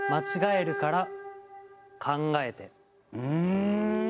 うん！